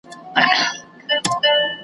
د باز له ځالې باز ولاړېږي .